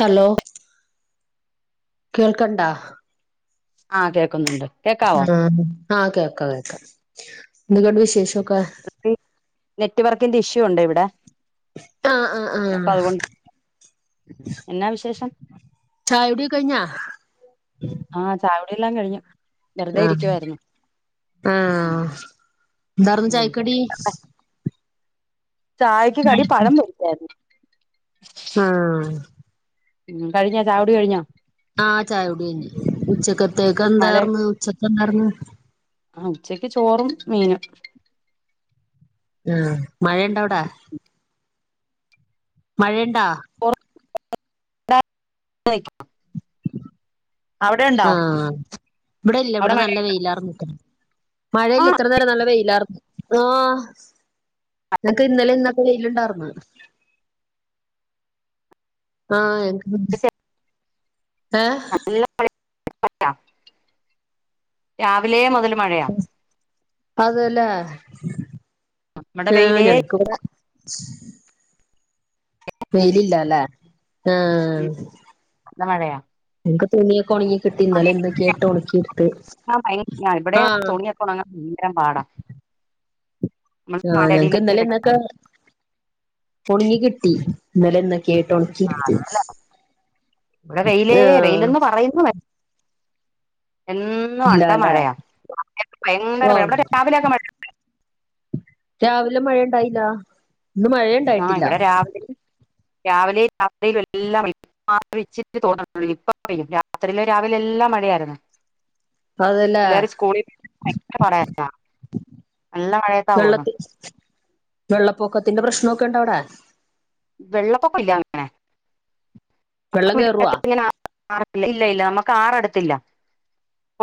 Hello കേൾക്കണ്ടാ ആ കേക്കുന്നുണ്ട് കേക്കാവോ ആ ആഹ് കേക്കാം കേക്കാം- എന്ത്ക്കെയുണ്ട് വിശേഷോക്കെ- നെറ്റ് വർക്കിന്റെ ഇഷ്യൂ ഉണ്ട് ഇവിടെ- ആഹ് അപ്പ അതുകൊണ്ട് എന്നാ വിശേഷം? ചായ് കുടി കഴിഞ്ഞാ- ആ ചായ കുട് എല്ലാം കഴിഞ്ഞു- വെറുതെ ആഹ് ഇരിക്കുവായിരുന്നു ആ- എന്താർന്നു ഉം ചായക്കടി- ചായക്ക് കടി പഴം പൊരിച്ചാരുന്നു ആഹ്- ഉം കഴിഞ്ഞാ ചാകുടി കഴിഞ്ഞാ? ആഹ് ചായകുടി കഴിഞ്ഞ്. ഉച്ചക്കത്തേക്കെന്താർന്ന് ഉച്ചക്കെന്താർന്ന്- ആ ഉച്ചക്ക് ചോറും മീനും- ആഹ് മഴ ഇണ്ടാ അവിടാ? മഴ ഇണ്ട്- ണ്ടാ? [unintelligible] ആഹ് ഇവ്ടെ ല്ല അവിടെ ഇവ്ട മഴ നല്ല വെയിലാർന്ക്കെ മഴയില്ല ആഹ് ഇത്ര നേരം നല്ല വെയിൽ ഇല്ലാർന്നു ആഹ് നിനക്ക് ഇന്നലെ ഇന്ന പ്പ വെയ്ല്ണ്ടാർന്ന് ആഹ് എ [unintelligible] ഏഹ് [unintelligible] രാവിലേ മൊതലും [unintelligible] അതെല്ലേ ഇവിടെ ആഹ് വെയിലേ ഞങ്ങക്ക്വ്ട [inaudible] വെയ്ലില്ല ല്ലേ ആഹ് ഇല്ല. നല്ല മഴയാ ഇൻക് തുണീക്കൊണങ്ങി കിട്ടീന്നലെ ഇന്നൊക്കായിട്ട് ഒണക്കി ഇട്ത്ത് ഇവിടെ ആഹ് തുണിയൊക്കെ ഉണങ്ങാൻ ഭയങ്കരം പാടാ നമ്മള് ആഹ് ഞങ്ങ്ക്ക് കാലടിയിലൊക്കെ ഇന്നലെ ഇട്ടിട്ട്. ഇന്നക്ക ഒണങ്ങി കിട്ട് ട്ടീ ഇന്നലെ ഇന്ന ആണല്ലെ ഇവ്ട വെയിലേ ആഹ് വെയ്ലന്ന് പറയുന്നതേ എന്നും അണ്ട ഇല്ലാല്ലേ മഴയാ ഭയങ്കര മഴ ഓഹ് അവിടറ്റെ രാവിലെയൊക്ക മഴ രാവിലെ മഴ ഉണ്ടായില്ല ഇന്ന് ആ മഴയുണ്ടായിട്ടില്ല ഇവിടെ രാവിലെ രാവിലെയും രാത്രിലും എല്ലാം മാത്രേ വച്ചിട്ട് തോന്നൂ ഇപ്പ പെയ്യും രാത്രിയിലോ രാവിലെ എല്ലാം മഴയായിരുന്നു അതല്ലേ പിള്ളേർ സ്കൂളി പറയ നല്ലാ മഴയത്താ പോന്ന് വെള്ളത്തി വെള്ളപ്പൊക്കത്തിന്റെ പ്രശ്നൊക്കെ ഇണ്ട അവിടെ വെള്ളപ്പൊക്കാ ഇല്ല അങ്ങനെ വെള്ളം കേറുവാ [unintelligible] ഇല്ല ഇല്ല നമുക്ക് ആറട്ത്തില്ല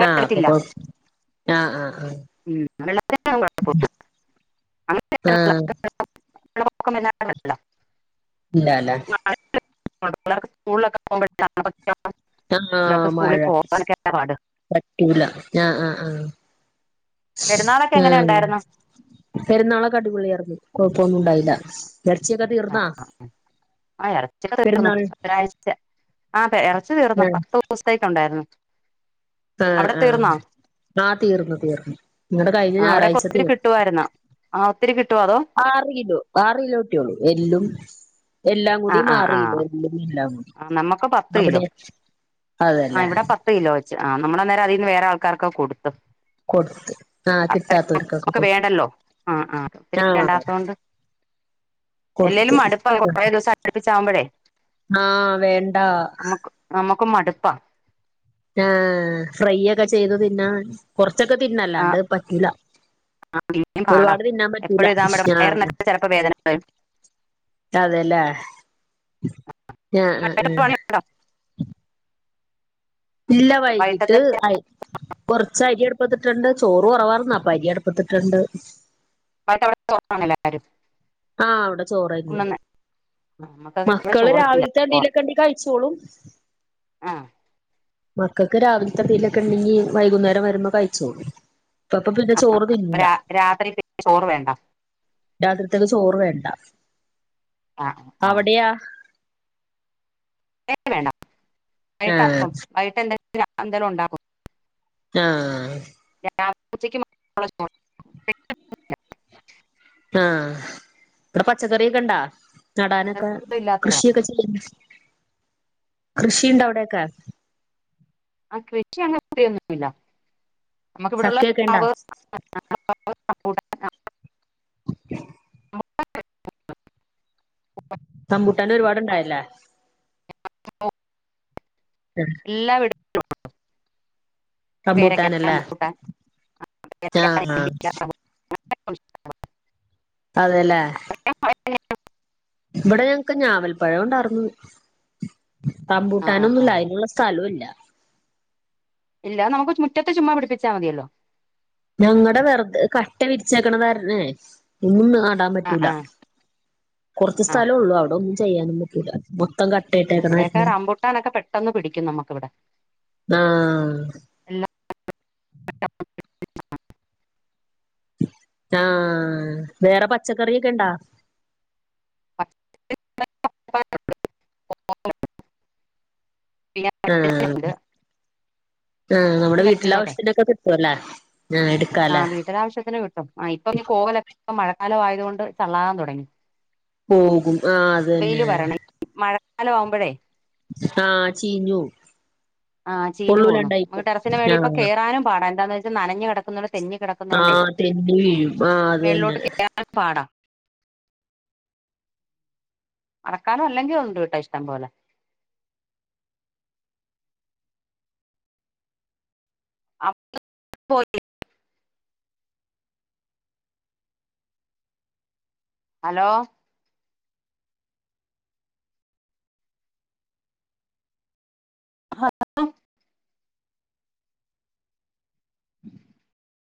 ആഹ് അപ്പൊ കൊഴ ആഹ്ആഹ് ആഹ് ഉം വെള്ളത്തിന് ആഹ് നമ്മക്ക് [unintelligible] ല്ലോ ഇല്ല ലെ പിള്ളേർക്ക് സ്കൂളിലക്കെ പോകുമ്പോഴ [unintelligible] ആഹ്ഹാ മഴ പാട് പറ്റൂല്ല ആഹ് ആഹ ആഹ പെരുന്നാളൊക്കെ എങ്ങനെ ആഹ ഉണ്ടായിരുന്നു പെരുന്നാളൊക്കെ അടിപൊള്യർന്നു പ്പൊന്നും ഉണ്ടായില്ല ഇറച്ചിയൊക്കെ തീർന്നാ ആഹ് ആ എറച്ചിക്കെ തീർന്നു പെരുന്നാൾ [unintelligible] ഒരാഴ്ച അതെ പതീർന്നൊ പത്തുവസത്തേക്ക് ഉണ്ടായിരുന്നൊ ആ ആ ആ തീർന്നു തീർന്നു നിങ്ങടെ കഴിഞ്ഞ ആഹ് അവിടെക്കെ ഞായറാഴ്ച ഒത്തിരി തീർന്ന് കിട്ടുവായിരുന്നോ ആഹ് ഒത്തിരി കിട്ടുവോ അതോ ആറ് കിലോ ആറ് കിലോ ഇട്ടിയൊള്ളു എല്ലും- എല്ലാം കൂടിമാറിയില്ല രീതില്ല ആ നമ്മക്ക് പത്ത് കിലോ ആ അതല്ലേ ഇവിടെ പത്ത് കിലോ വെച്ച് ആ നമ്മളാനേരം അതിൽന്ന് വേറെ ആൾക്കാർക്കക്ക ക്കൊടുത്തു കൊടുത്ത് ആഹ് അത്ര [unintelligible] കിട്ടാത്തവർക്കൊക്കെ നമ്മൾക്ക് കൊടുത്ത് വേണ്ടല്ലോ ആ ആ ഒത്തിരി ആഹ് വേണ്ടാത്തൊണ്ട് എല്ലെലും കൊടുത്ത് മടുപ്പ കൊറെ ദിവസം അടുപ്പിച്ചാവുമ്പോഴേ ആ വേണ്ട ക്കു മടുപ്പാ ആ ഫ്രൈ ഒക്കെ ചെയ്തു നിന്നാ കൊ പച്ചക്കെ തിന്നാം അല്ലാണ്ട് ആഹ് പറ്റൂല പിന്നേം പാടാ ഒരുപാട് തിന്നാൻ പറ്റൂല എപ്പഴും ഇതാവുമ്പഴേ ആ വയറിനൊക്കെ ചെലപ്പോ വേദന വരും അതെല്ലേ ആ ആ വൈകിട്ടത്തെ ആ പണിയുണ്ടോ ഇല്ല വൈകീട്ട് വൈകിട്ടത്തെ കൊറച്ച് അരി അടുപ്പത്തിട്ടുണ്ട് ചോറ് കുറവായിന്ന് അപ്പൊ അരി അടുപ്പത്തിട്ടുണ്ട് വൈകിട്ട് അവിടെ ചോറാതിന്നണല്ലാരും ആ അവിടെ ചോറായിരുന്ന് നമ്മുക്കൊക്കെ ഇവിടെ മക്കള് ചോറില്ല രാവിലത്തെ അപ്പൊ എന്തേലും ഒക്കെ ഉണ്ടയെങ്കിൽ കഴിച്ചോളും ആ മക്കൾക്ക് രാവിലത്തെ വല്ലോം ഉണ്ടെങ്കി വൈകുന്നേരം വരുമ്പോ കഴിച്ചോളൂ ആ രാത്രി രാത്രി ചോറ് വേണ്ട രാത്രിതേക്ക് ചോറ് വേണ്ട ആ ആ അവിടെയാ വേണ്ടാ വേണ്ടാ വൈകിട്ട് ആഹ് അപ്പം വൈകിട്ട് എന്ത്‌ എന്തേലും ഉണ്ടാക്കും ആ.. ഉച്ചക്ക് [unintelligible] ആ ഇവിടെ പച്ചക്കറിയൊക്കെ ഇണ്ടാ നടാനൊക്കെ നിർബന്ധം ഇല്ലാത്തതാണ് കൃഷിയൊക്കെ ചെയ്യുന്നു കൃഷിണ്ട അവിടെക്കെ? ആ കൃഷി അങ്ങെ അത്രയൊന്നുമില്ല- ചക്ക ഒക്കെ ഇണ്ടോ? [unintelligible] [unintelligible] [unintelligible] റംമ്പൂട്ടൻ്റെ ഒരുപാടുണ്ടായില്ലേ? [unintelligible] എല്ലാ വിട് [unintelligible] റംമ്പൂട്ടാനല്ലേ പേരക്ക ആഹ് നെല്ലിക്ക - റംബൂട്ടാൻ [unintelligible] അതെല്ലേ? [unintelligible] ഇവിടെ ഞങ്ങക്ക് ഞാവൽ പഴം ഒണ്ടാർന്നു- ആ ആ ആ റംമ്പൂട്ടാനൊന്നുല്ല അതിനുള്ള സ്ഥലം ഇല്ല- ഇല്ല നമുക്ക് മുറ്റത്ത് ചുമ്മാ പിടിപ്പിച്ചാൽ മതിയല്ലോ? ഞങ്ങടെ വെറുതെ കട്ട വിരിച്ചേക്കണതാര്ന്നേ ഇന്നാ- ാൻ ആ പറ്റൂല ആ കുറച്ച ആ ആ സ്ഥലംള്ളൂ ആ അവിടെൊന്നും ചെയ്യാനും പറ്റൂല മൊത്തം ഇവിടെയൊക്കെ കട്ടയിട്ടേക്കണായിരുന്നു റംബൂട്ടാനൊക്കെ പെട്ടെന്ന് പിടിക്കും നമുക്കിവിടെ ആഹ് - [unintelligible] [unintelligible] ആഹ് വേറെ പച്ചക്കറിയൊക്കെ ഇണ്ടോ? [unintelligible] ഇല്ല ആഹ് വഴുതനയുണ്ട് ആഹ് നമ്മുടെ വീട്ടിലെ ആവിശത്തിനൊക്കെ കിട്ടുംല്ലേ ആഹ് വീട്ടില ആവശ്യത്തിന് കിട്ടും ആ് ഇപ്പൊ നീ കോവലെ ഇപ്പൊ മഴക്കാലം ആയത് കൊണ്ട് ചള്ളാൻ തൊടങ്ങി പോകും ആ അത് തന്നെ ക്കാലം ആവുമ്പയേ ആഹ് ചീഞ്ഞോവും ആ ചീഞ്ഞു പോന്നു ഉള്ളൂല്ലാണ്ടായി നമുക്ക് ടെറസിന്റെ പോവും മേളിൽ ഇപ്പൊ ആഹ്. കേറാനും പാടാ എന്താന്ന് നനഞ്ഞു കെടക്ക ആ തെന്നി വീഴും ആ അത് തന്നെ മേളിലോട്ട് കേറാൻ പാടാ മഴ കാലമെല്ലെങ്കി ഉണ്ട് കേട്ടാ ഇഷ്ടംപോലെ. [unintelligible] അലോ. [inaudible]